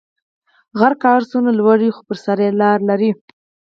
غر که هر څونده لوړ یی خو پر سر لاره لری